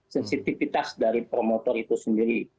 sensitivitas dari promotor itu sendiri